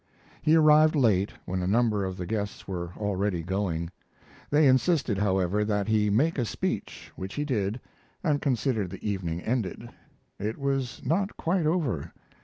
He arrived late, when a number of the guests were already going. They insisted, however, that he make a speech, which he did, and considered the evening ended. It was not quite over.